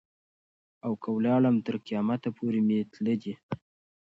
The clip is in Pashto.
او که ولاړم تر قیامت پوري مي تله دي.